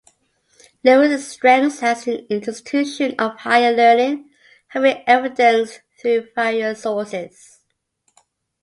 Lewis' strengths as an institution of higher learning have been evidenced through various sources.